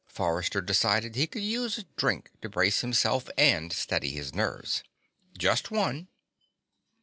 Forrester decided he could use a drink to brace himself and steady his nerves. Just one.